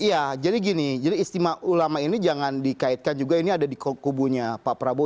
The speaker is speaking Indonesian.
iya jadi gini jadi istimewa ulama ini jangan dikaitkan juga ini ada di kubunya pak prabowo